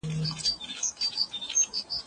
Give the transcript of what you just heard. دا ویبپاڼه د یوي لايقي نجلۍ لخوا جوړه سوي ده.